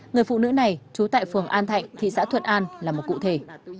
người phụ nữ này trú tại phường an thạnh thị xã thuận an là một cụ thể